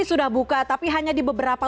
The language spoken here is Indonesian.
sudah buka tapi hanya di beberapa